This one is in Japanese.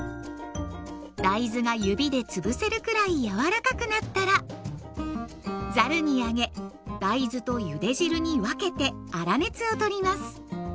大豆が指で潰せるくらい柔らかくなったらざるにあげ大豆とゆで汁に分けて粗熱を取ります。